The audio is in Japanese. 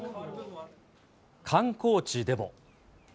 観光地でも。